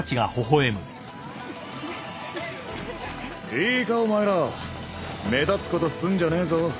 いいかお前ら目立つことすんじゃねえぞ。